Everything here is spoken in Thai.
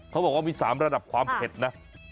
เขาบอกว่ามี๓ระดับความเผ็ดนะ